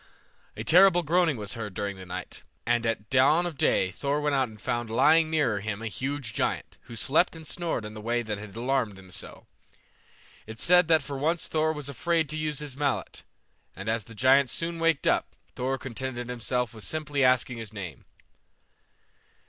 A terrible groaning was heard during the night, and at dawn of day Thor went out and found lying near him a huge giant, who slept and snored in the way that had alarmed them so. It is said that for once Thor was afraid to use his mallet, and as the giant soon waked up, Thor contented himself with simply asking his name.